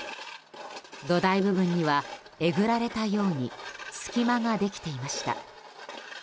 土台部分には、えぐられたように隙間ができていました。